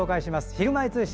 「ひるまえ通信」。